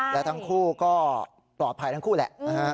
และทั้งคู่ก็ปลอดภัยทั้งคู่แหละนะฮะ